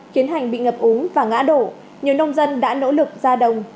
tiến hành bị ngập úng và ngã đổ nhiều nông dân đã nỗ lực ra đồng